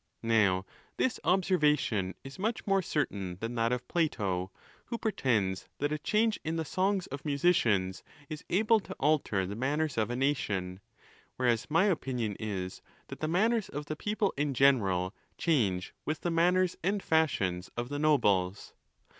Now, this observation is much more certain than that of Plato, who pretends that a change in the songs of musicians is able to alter the manners of a nation; whereas my opinion is, that the manners of the people in general change with the manners and fashions of the nobles.